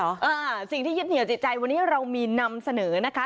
อ่าสิ่งที่ยึดเหนียวจิตใจวันนี้เรามีนำเสนอนะคะ